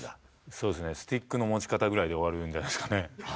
そうですねスティックの持ち方ぐらいで終わるんじゃないっすかねああ